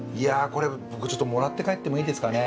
これ僕ちょっともらって帰ってもいいですかね？